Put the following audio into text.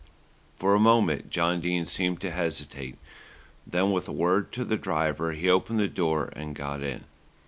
For a moment John Dene seemed to hesitate, then with a word to the driver he opened the door and got in.